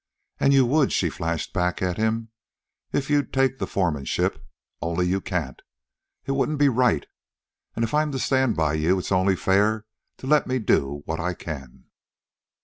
"And you would," she flashed back at him, "if you'd take the foremanship. Only you can't. It wouldn't be right. And if I'm to stand by you it's only fair to let me do what I can."